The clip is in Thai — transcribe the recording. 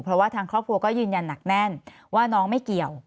เพราะว่าทางครอบครัวก็ยืนยันหนักแน่นว่าน้องไม่เกี่ยว